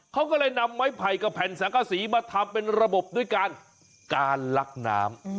เขาก็เลยนำไม้ไผ่กับแผ่นสังกษีมาทำเป็นระบบด้วยการการลักน้ำ